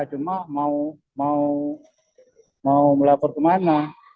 cuma mau mau mau melapor ke mana